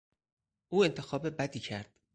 او انتخاب بدی کرد.